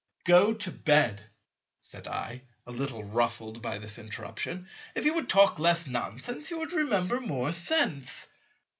"Go to bed," said I, a little ruffled by this interruption: "if you would talk less nonsense, you would remember more sense."